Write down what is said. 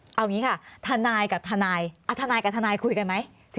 เอาอย่างนี้ค่ะทนายกับทนายทนายกับทนายคุยกันไหม